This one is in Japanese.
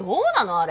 あれ。